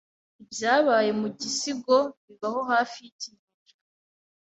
Ibyabaye mu gisigo bibaho hafi yikinyejana